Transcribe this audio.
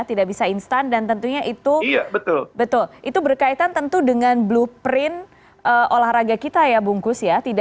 tidak bisa instan dan tentunya itu betul itu berkaitan tentu dengan blueprint olahraga kita ya bungkus ya